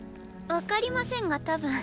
わかりませんが多分。